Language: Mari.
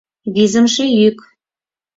Визымше йӱк.